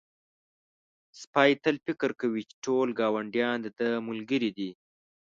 سپی تل فکر کوي چې ټول ګاونډیان د ده ملګري دي.